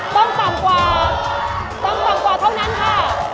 ต้องต่ำกว่าเท่านั้นค่ะ